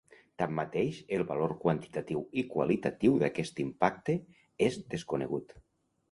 Tanmateix, el valor quantitatiu i qualitatiu d'aquest impacte és desconegut.